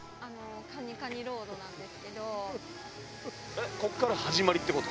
えっここから始まりって事？